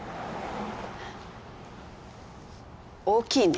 大きいね。